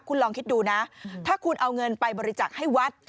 คุณลองคิดดูนะถ้าคุณเอาเงินไปบริจักษ์ให้วัด